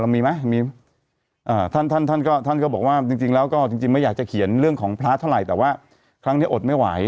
มีไหมมีท่านท่านก็ท่านก็บอกว่าจริงแล้วก็จริงไม่อยากจะเขียนเรื่องของพระเท่าไหร่แต่ว่าครั้งนี้อดไม่ไหว